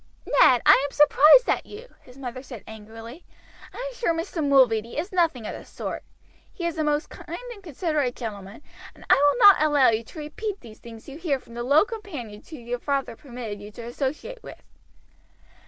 "Ned, I am surprised at you," his mother said angrily. "I am sure Mr. Mulready is nothing of the sort. He is a most kind and considerate gentleman, and I will not allow you to repeat these things you hear from the low companions whom your father permitted you to associate with."